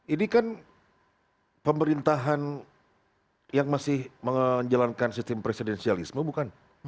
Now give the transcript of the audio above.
ini kan pemerintahan yang masih menjalankan sistem presidensialisme bukan